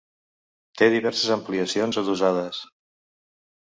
Té diverses ampliacions adossades.